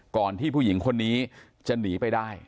ที่ผู้หญิงคนนี้จะหนีไปได้